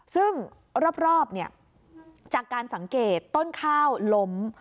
ซึ่งรอบจากการสังเกตต้นข้าวล้ม